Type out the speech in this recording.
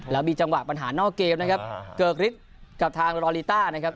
แล้วมีจังหวะปัญหานอกเกมนะครับเกิกฤทธิ์กับทางรอลีต้านะครับ